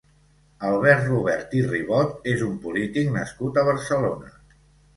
Albert Robert i Ribot és un polític nascut a Barcelona.